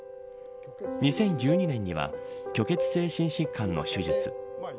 ２０１２年には虚血性心疾患の手術。